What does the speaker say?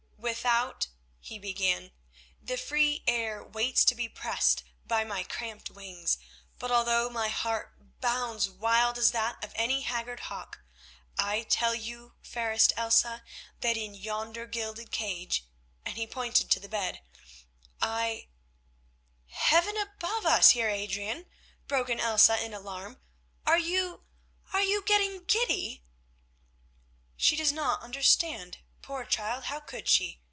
"Without," he began, "the free air waits to be pressed by my cramped wings, but although my heart bounds wild as that of any haggard hawk, I tell you, fairest Elsa, that in yonder gilded cage," and he pointed to the bed, "I——" "Heaven above us! Heer Adrian," broke in Elsa in alarm, "are you—are you—getting giddy?" "She does not understand. Poor child, how should she?"